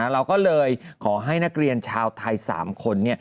เราก็เลยขอให้นักเรียนชาวไทย๓คน